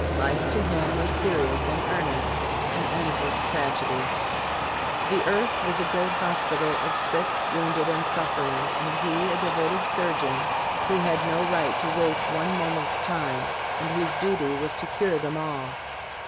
Life to him was serious and earnest — an endless tragedy. The earth was a great hospital of sick, wounded and suffering, and he a devoted sur geon, who had no right to waste one moment's time, and whose duty was to cure them all.